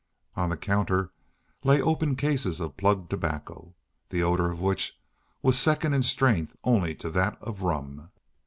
On the counter lay open cases of plug tobacco, the odor of which was second in strength only to that of rum.